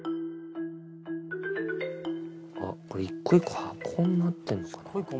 あっ一個一個箱になってんのかな。